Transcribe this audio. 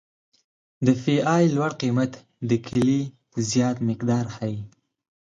د پی ای لوړ قیمت د کلې زیات مقدار ښیي